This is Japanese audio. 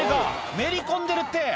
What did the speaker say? めり込んでるって。